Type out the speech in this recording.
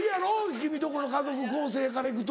君とこの家族構成からいくと。